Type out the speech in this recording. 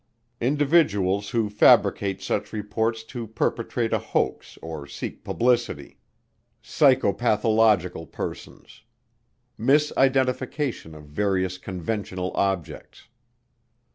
Individuals who fabricate such reports to perpetrate a hoax or seek publicity. Psychopathological persons. Misidentification of various conventional objects.